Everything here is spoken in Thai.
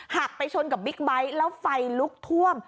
ไปชนกับบิ๊กไบท์แล้วไฟลุกท่วม